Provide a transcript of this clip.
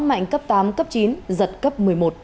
mạnh cấp tám cấp chín giật cấp một mươi một